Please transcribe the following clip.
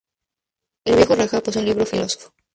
El viejo rajá posee un libro filosófico.